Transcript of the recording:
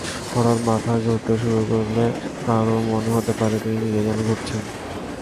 হঠাৎ মাথা ঘুরতে শুরু করলে কারও মনে হতে পারে, তিনি নিজেই যেন ঘুরছেন।